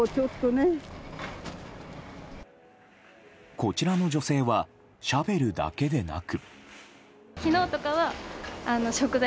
こちらの女性はシャベルだけでなく。